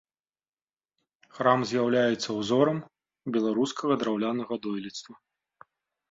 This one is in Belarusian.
Храм з'яўляецца ўзорам беларускага драўлянага дойлідства.